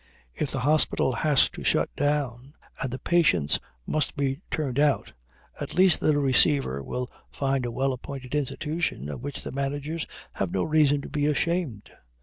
If the hospital has to shut down and the patients must be turned out, at least the receiver will find a well appointed institution of which the managers have no reason to be ashamed.